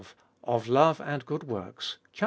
Of Love and Good Works (xiii.